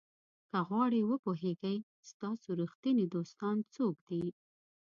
که غواړئ وپوهیږئ ستاسو ریښتیني دوستان څوک دي.